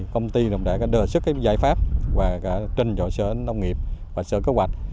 công ty đã đưa sức giải pháp và trình dọa sở nông nghiệp và sở cơ hoạch